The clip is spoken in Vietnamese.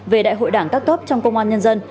về đại hội đảng các cấp trong công an nhân dân